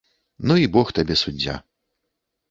- Ну i бог табе суддзя...